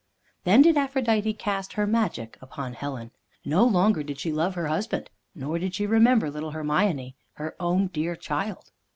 Then did Aphrodite cast her magic upon Helen. No longer did she love her husband, nor did she remember little Hermione, her own dear child.